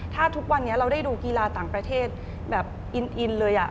ถ้าทุกวันนี้เราได้ดูกีฬาต่างประเทศแบบอินเลย